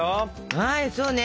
はいそうね。